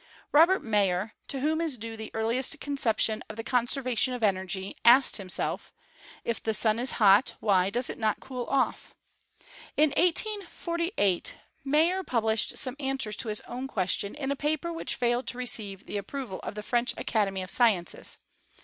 Robert Mayer, to whom is due the earliest conception of the conservation of energy, asked himself: If the Sun is hot, why does it not cool off? In 1848 Mayer published some answers to his own ques tion in a paper which failed to receive the approval of the French Academy of Sciences.